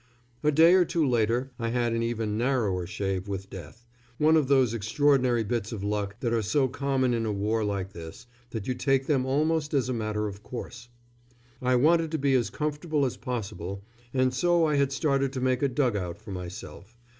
A day or two later I had an even narrower shave with death one of those extraordinary bits of luck that are so common in a war like this, that you take them almost as a matter of course. I wanted to be as comfortable as possible, and so I had started to make a dug out for myself.